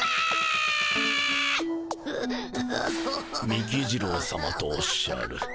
幹二郎さまとおっしゃる。